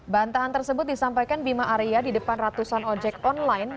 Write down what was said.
bantahan tersebut disampaikan bima arya di depan ratusan ojek online